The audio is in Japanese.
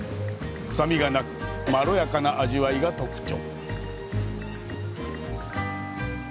臭みがなく、まろやかな味わいが特徴。